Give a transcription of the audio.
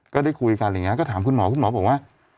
ก็ได้คุยกันอะไรอย่างนี้ก็ถามคุณหมอคุณหมอบอกว่า